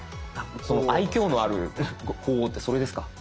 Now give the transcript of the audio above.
その愛きょうのある鳳凰ってそれですか？